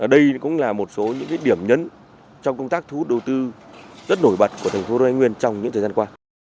đây cũng là một số những điểm nhấn trong công tác thu hút đầu tư rất nổi bật của thành phố thái nguyên trong những thời gian qua